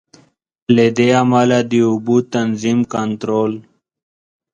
له دې امله د اوبو تنظیم، کنټرول.